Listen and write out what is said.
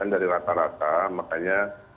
dari rata rata makanya